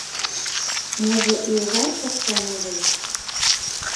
Можа, і ў вас таксама ёсць?